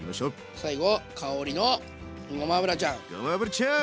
最後香りのごま油ちゃん。